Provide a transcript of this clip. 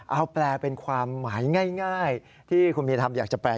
เอาแปลเป็นความหมายง่ายที่คุณเมียทำอยากจะแปล